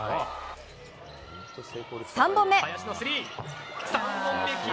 ３本目。